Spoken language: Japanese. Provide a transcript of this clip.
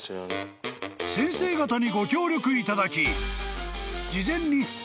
［先生方にご協力いただき事前に］